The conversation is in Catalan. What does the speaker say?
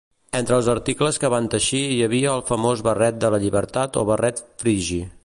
Entre els articles que van teixir hi havia el famós barret de la llibertat o barret frigi.